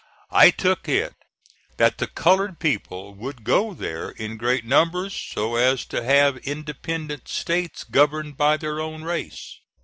I took it that the colored people would go there in great numbers, so as to have independent states governed by their own race.